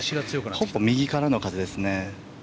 ほぼ右からの風ですね。